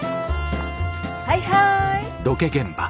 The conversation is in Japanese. はいはい。